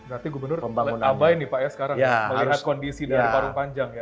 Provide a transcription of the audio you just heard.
berarti gubernur abai nih pak ya sekarang melihat kondisi dari parung panjang ya